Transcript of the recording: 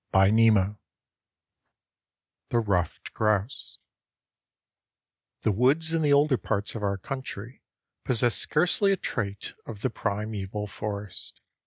XXXVIII THE RUFFED GROUSE The woods in the older parts of our country possess scarcely a trait of the primeval forest.